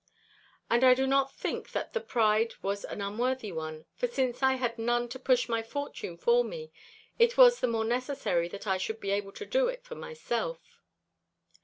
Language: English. And I do not think that the pride was an unworthy one, for since I had none to push my fortune for me, it was the more necessary that I should be able to do it for myself.